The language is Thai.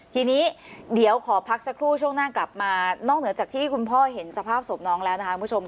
ทีนี้เดี๋ยวขอพักสักครู่ช่วงหน้ากลับมานอกเหนือจากที่คุณพ่อเห็นสภาพศพน้องแล้วนะคะคุณผู้ชม